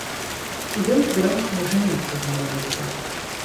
І ён збіраўся ажаніцца з маладзіцай.